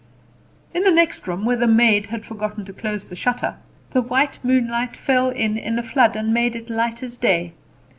In the next room, where the maid had forgotten to close the shutter, the white moonlight fell in in a flood, and made it light as day.